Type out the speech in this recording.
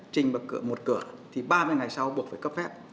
trình và một cửa thì ba mươi ngày sau buộc phải cấp phép